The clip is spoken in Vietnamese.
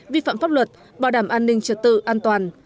vi phạm pháp luật bảo đảm an ninh trật tự an toàn